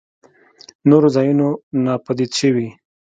نورو ځايونو ناپديد شوي.